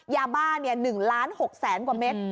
ยาบ้านเนี่ย๑ล้าน๖แสนกว่าเม็ด